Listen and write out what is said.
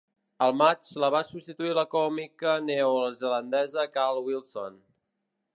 Al maig, la va substituir la còmica neozelandesa Cal Wilson.